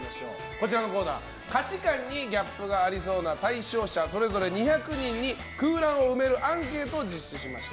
こちらのコーナー、価値観にギャップがありそうな対象者それぞれ２００人に空欄を埋めるアンケートを実施しました。